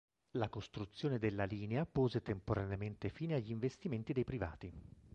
La costruzione della linea pose temporaneamente fine agli investimenti dei privati.